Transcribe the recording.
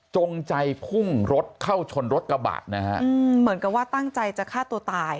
จงใจพุ่งรถเข้าชนรถกระบะนะฮะอืมเหมือนกับว่าตั้งใจจะฆ่าตัวตาย